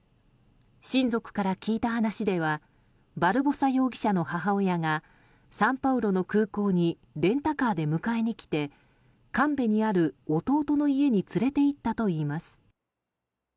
親族から聞いた話ではバルボサ容疑者の母親がサンパウロの空港にレンタカーで迎えに来てカンベにある弟の家に連れて行ったといいます。